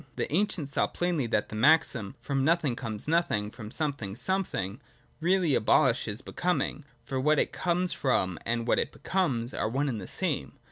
The ancients saw plainly that the maxim, ' From nothing comes nothing, from something something,' really abolishes Becoming : for what it comes from and what it becomes are one and the same.